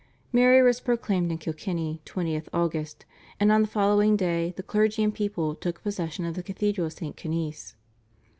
Mary was proclaimed in Kilkenny (20 Aug.), and on the following day the clergy and people took possession of the Cathedral of St. Canice.